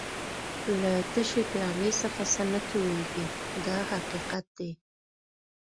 له تشې پیالې څخه څه نه تویېږي دا حقیقت دی.